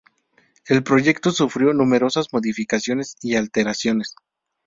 El proyecto sufrió numerosas modificaciones y alteraciones.